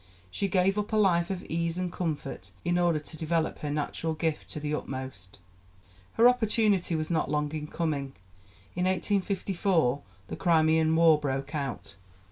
She gave up a life of ease and comfort in order to develop her natural gift to the utmost. Her opportunity was not long in coming. In 1854 the Crimean War broke out.